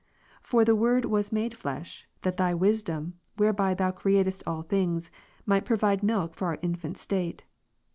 For the Word was made flesh, that Thy wisdom, whereby Thou createdst all things, might provide milk for our infant state.